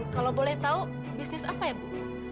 kalau boleh tahu bisnis apa ya bu